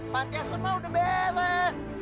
pantiasuhana sudah beres